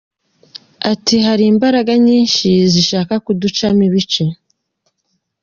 Ati “ Hari imbaraga nyinshi zishaka kuducamo ibice.